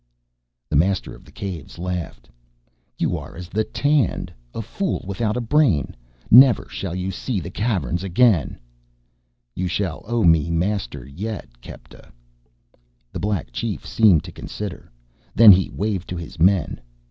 The master of the Caves laughed. "You are as the Tand, a fool without a brain. Never shall you see the Caverns again " "You shall own me master yet, Kepta." The Black Chief seemed to consider. Then he waved to his men.